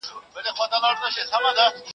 زه به سبا د کتابتوننۍ سره مرسته کوم.